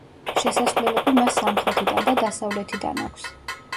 შესასვლელები მას სამხრეთიდან და დასავლეთიდან აქვს.